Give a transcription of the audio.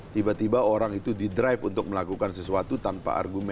tiba tiba orang itu di drive untuk melakukan sesuatu tanpa argumen